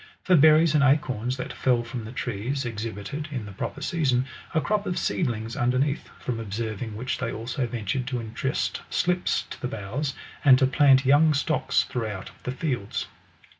For berries and acorns that fell from the trees, ex hibited, in the proper season, a crop of seedlings underneath ; from observing which they also ventured to intrust slips to the boughs, and to plant young stocks throughout the fields.